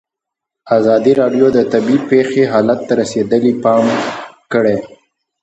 ازادي راډیو د طبیعي پېښې حالت ته رسېدلي پام کړی.